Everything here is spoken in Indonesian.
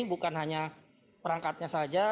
bukan hanya perangkatnya saja